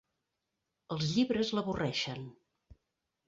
Els llibres l'avorreixen.